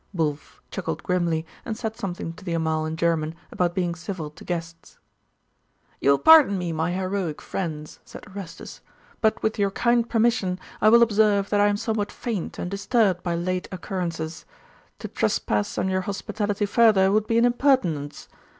Wulf chuckled grimly, and said something to the Amal in German about being civil to guests. 'You will pardon me, my heroic friends,' said Orestes, 'but, with your kind permission, I will observe that I am somewhat faint and disturbed by late occurrences. To trespass on your hospitality further would be an impertinence.